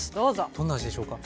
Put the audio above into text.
どんな味でしょうか。